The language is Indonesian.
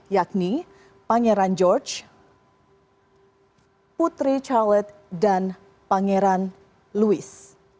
yakni pangeran george putri charlet dan pangeran louis